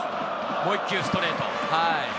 もう１球、ストレート。